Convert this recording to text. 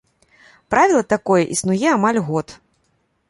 Правіла такое існуе амаль год.